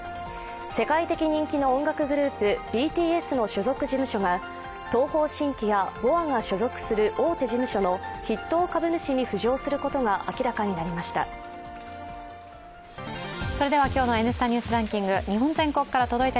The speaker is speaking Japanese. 世界的人気の音楽グループＢＴＳの所属事務所が東方神起やＢｏＡが所属する大手事務所の筆頭株主に浮上することが明らかになりました。